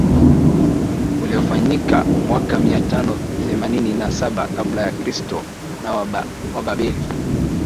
Uliofanyika mwaka mia tano themanini na saba kabla ya kristo na Wababeli